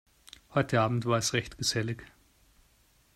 Heute Abend war es recht gesellig.